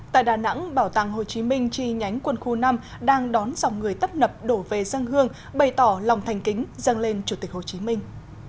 tại đà nẵng bảo tàng hồ chí minh chi nhánh quân khu năm đang đón dòng người tấp nập đổ về dân hương bày tỏ lòng thành kính dâng lên chủ tịch hồ chí minh